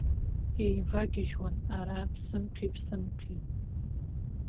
Иеивагьежьуан ара ԥсымҭәи ԥсымҭәи.